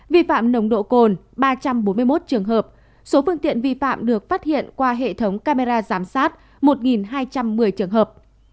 vi phạm nồng độ cồn ba trăm bốn mươi một trường hợp số phương tiện vi phạm được phát hiện qua hệ thống camera giám sát một hai trăm một mươi trường hợp